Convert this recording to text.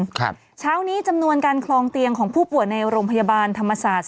เช้านี้จำนวนการคลองเตียงของผู้ป่วยในโรงพยาบาลธรรมศาสตร์